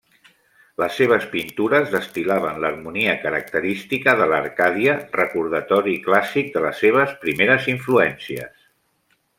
Les seves pintures destil·laven l'harmonia característica de l'Arcàdia, recordatori clàssic de les seves primeres influències.